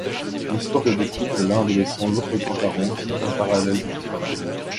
L'histoire de deux couples, l'un adolescent, l'autre grand-parent, vivent en parallèle des histoires d'amour.